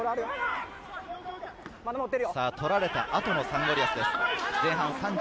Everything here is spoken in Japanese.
取られた後のサンゴリアスです。